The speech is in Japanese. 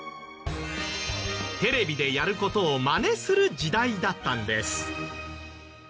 テレビでやる事をマネする時代だったんです。